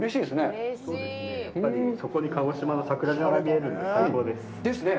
やっぱりそこに鹿児島の桜島が見えるので最高です。ですね。